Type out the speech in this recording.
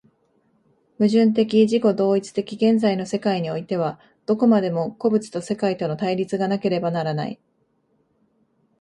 矛盾的自己同一的現在の世界においては、どこまでも個物と世界との対立がなければならない。